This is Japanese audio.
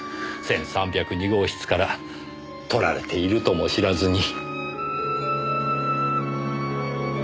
１３０２号室から撮られているとも知らずに。